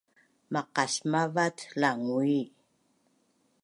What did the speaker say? Maqasmavat Langui